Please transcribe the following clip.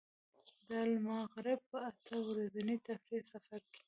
د المغرب په اته ورځني تفریحي سفر کې.